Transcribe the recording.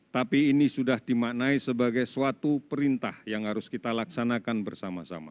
tapi ini sudah dimaknai sebagai suatu perintah yang harus kita laksanakan bersama sama